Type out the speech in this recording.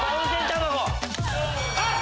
あっ！